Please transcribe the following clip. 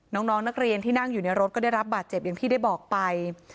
น้องนักเรียนที่นั่งอยู่ในรถก็ได้รับบาดเจ็บอย่างที่ได้บอกไป